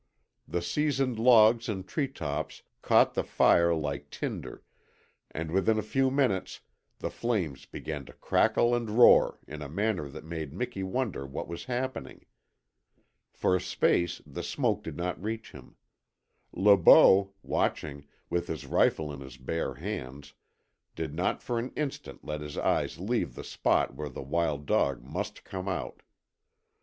The seasoned logs and tree tops caught the fire like tinder, and within a few minutes the flames began to crackle and roar in a manner that made Miki wonder what was happening. For a space the smoke did not reach him. Le Beau, watching, with his rifle in his bare hands, did not for an instant let his eyes leave the spot where the wild dog must come out.